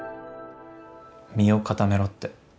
身を固めろって。